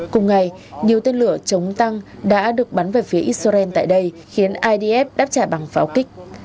cùng ngày nhiều tên lửa chống tăng đã được bắn về phía israel tại đây khiến idf đáp trả bằng pháo kích